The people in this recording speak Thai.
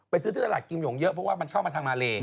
ซื้อที่ตลาดกิมหยงเยอะเพราะว่ามันเข้ามาทางมาเล